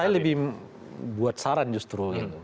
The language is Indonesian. saya lebih buat saran justru gitu